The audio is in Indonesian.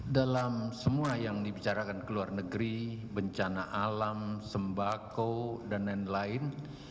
dalam semua yang dibicarakan ke luar negeri bencana alam sembako dan lain lain